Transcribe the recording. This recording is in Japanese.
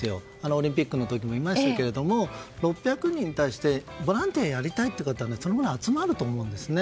オリンピックの時もいましたが６００人に対してボランティアをやりたい方集まると思うんですね。